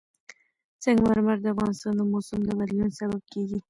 سنگ مرمر د افغانستان د موسم د بدلون سبب کېږي.